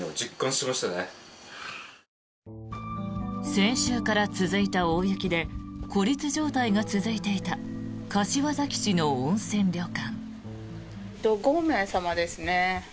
先週から続いた大雪で孤立状態が続いていた柏崎市の温泉旅館。